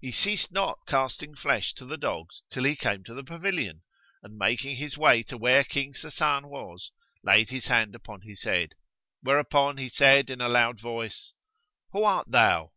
He ceased not casting flesh to the dogs till he came to the pavilion and, making his way to where King Sasan was, laid his hand upon his head; whereupon he said in a loud voice, "Who art thou?"